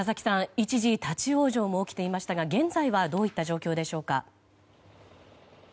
一時立ち往生も起きていましたが現在はどういった状況でしょうか？